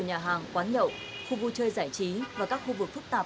nhà hàng quán nhậu khu vui chơi giải trí và các khu vực phức tạp